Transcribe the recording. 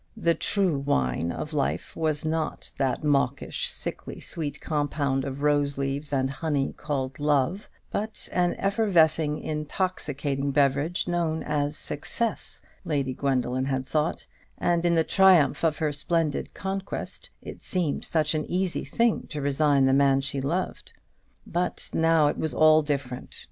The true wine of life was not that mawkish, sickly sweet compound of rose leaves and honey called Love, but an effervescing, intoxicating beverage known as Success, Lady Gwendoline thought: and in the triumph of her splendid conquest it seemed such an easy thing to resign the man she loved. But now it was all different.